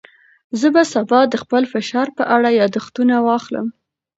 زه به سبا د خپل فشار په اړه یاداښتونه واخلم.